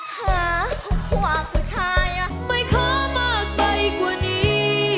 ค่ะพวกผู้ชายไม่เค้ามากไปกว่านี้